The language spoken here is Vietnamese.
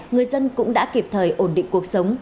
người dân cũng đã kịp thời ổn định cuộc sống